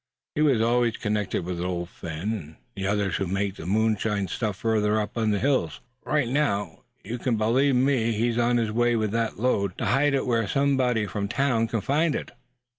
He always was connected with Old Phin, and the others who make the moonshine stuff further up in the hills. Right now, you can believe me, suh, he's on his way with that load, to hide it where somebody from town can find it."